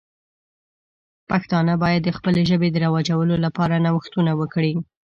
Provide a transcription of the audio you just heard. پښتانه باید د خپلې ژبې د رواجولو لپاره نوښتونه وکړي.